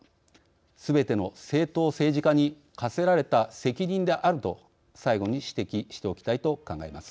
すべての政党・政治家に課せられた責任であると最後に指摘しておきたいと考えます。